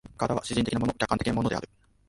身体は自然的なもの、客観的なものである。